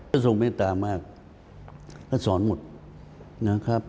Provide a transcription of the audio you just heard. ก็ทรงไม่ตามากก็สอนหมดนะครับ